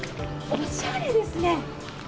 おしゃれですね！